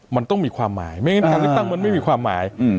มันต้องมีความหมายไม่งั้นการเลือกตั้งมันไม่มีความหมาย